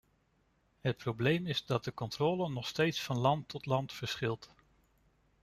Het probleem is dat de controle nog steeds van land tot land verschilt.